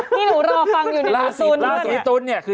นี่หนูรอฟังอยู่ในหลักศรีตุ้น